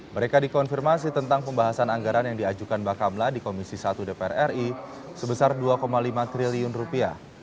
mereka dikonfirmasi tentang pembahasan anggaran yang diajukan bakamla di komisi satu dpr ri sebesar dua lima triliun rupiah